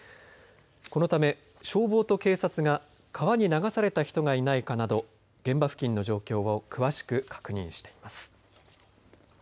このため消防と警察が川に流された人がいないかなど現場付近の状況を詳しく確認しています。